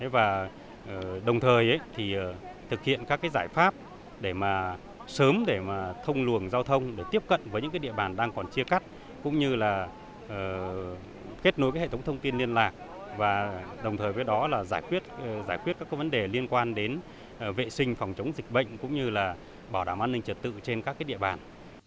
và đồng thời thì thực hiện các giải pháp sớm để thông luồng giao thông tiếp cận với những địa bàn đang còn chia cắt cũng như là kết nối với hệ thống thông tin liên lạc và đồng thời với đó giải quyết các vấn đề liên quan đến vệ sinh phòng chống dịch bệnh cũng như là bảo đảm an ninh trật tự trên các địa bàn